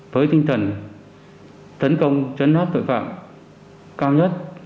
với tinh thần tấn công chấn áp tội phạm cao nhất